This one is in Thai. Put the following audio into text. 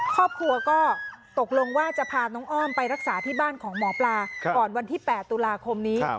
ครอบครัวก็ตกลงว่าจะพาน้องอ้อมไปรักษาที่บ้านของหมอปลาก่อนวันที่๘ตุลาคมนี้